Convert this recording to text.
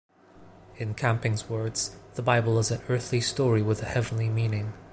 In Camping's words, the Bible is an earthly story with a Heavenly meaning.